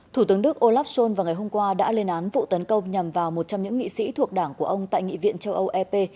thủ tướng đức olaf scholz vào ngày hôm qua đã lên án vụ tấn công nhằm vào một trong những nghị sĩ thuộc đảng của ông tại nghị viện châu âu ep